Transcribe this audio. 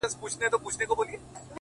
دا چا ويل چي له هيواده سره شپې نه كوم،